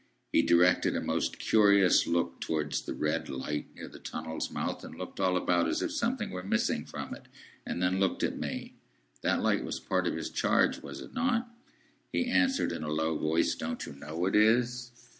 He directed a most curious look towards the red light near the tunnel's mouth, and looked all about it, as if something were missing from it, and then looked at me. That light was part of his charge? Was it not? He answered in a low voice,—"Don't you know it is?"